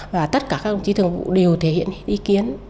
và tất cả các đồng chí thường vụ đều thể hiện ý kiến